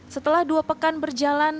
setelah dua pekan berjalan